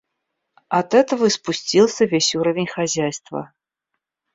От этого и спустился весь уровень хозяйства.